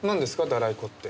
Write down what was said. ダライ粉って。